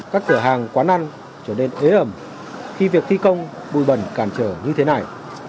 các cửa hàng quán ăn trở nên ế ẩm khi việc thi công bụi bẩn cản trở như thế này